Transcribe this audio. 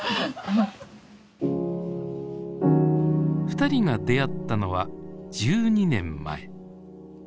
ふたりが出会ったのは１２年前。